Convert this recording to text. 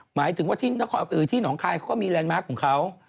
หมายถึงว่าที่หนองคายเขาก็มีแลนดมาร์คของเขา